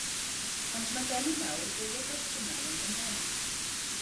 Ond mae gen i nawr fwy o gwestiynau yn fy mhen.